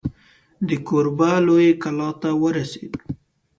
د کوربه لویې کلا ته ورسېدو.